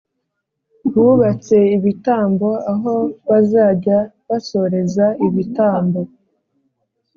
Bubatse ibitambo aho bazajya bosereza ibitambo